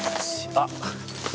あっ！